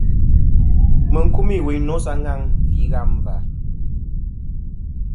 Mɨ n-kumî wuyn nô sa ŋaŋ fî ghâm và..